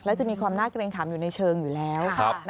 แล้วจะมีความน่าเกรงขำอยู่ในเชิงอยู่แล้ว